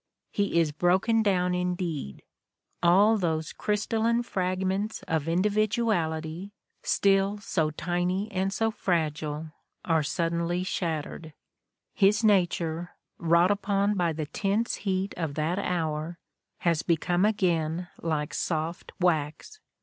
He is broken down indeed; all those crystalline fragments of individuality, still so tiny and so fragile, are suddenly shattered; his nature, wrought upon by the tense heat of that hour, has become again like soft wax.